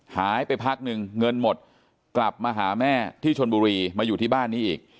หายไปพักนึงเงินหมดกลับมาหาแม่ที่ชนบุรีมาอยู่ที่บ้านนี้อีก